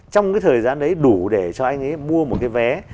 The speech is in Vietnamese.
trong cái thời gian đấy đủ để cho anh ấy mua một cái vé